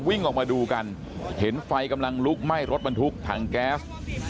วิ่งออกมาดูกันเห็นไฟกำลังลุกไหม้รถบรรทุกถังแก๊ส